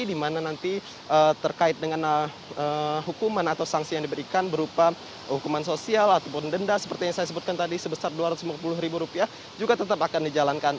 di mana nanti terkait dengan hukuman atau sanksi yang diberikan berupa hukuman sosial ataupun denda seperti yang saya sebutkan tadi sebesar rp dua ratus lima puluh ribu rupiah juga tetap akan dijalankan